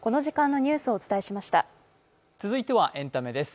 続いてはエンタメです。